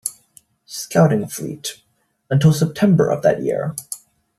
Scouting Fleet, until September of that year.